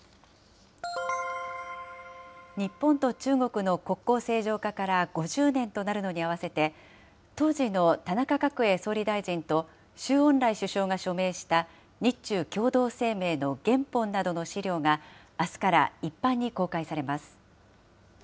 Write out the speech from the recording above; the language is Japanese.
日本と中国の国交正常化から５０年となるのに合わせて、当時の田中角栄総理大臣と、周恩来首相が署名した、日中共同声明の原本などの史料が、あすから一般に公開されます。